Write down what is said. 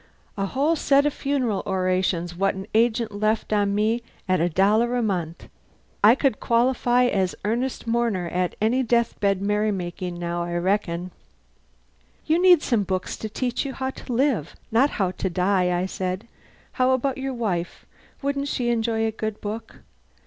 A whole set o' 'Funereal Orations' what an agent left on me at a dollar a month. I could qualify as earnest mourner at any death bed merrymakin' now, I reckon." "You need some books to teach you how to live, not how to die," I said. "How about your wife wouldn't she enjoy a good book?